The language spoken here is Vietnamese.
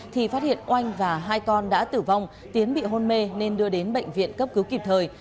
thì phát hiện oanh và hai con đã tử vong tiến bị hôn mê nên đưa đến bệnh viện cấp cứu kịp thời